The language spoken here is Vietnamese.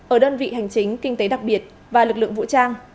ở đơn vị hành chính kinh tế đặc biệt và lực lượng vũ trang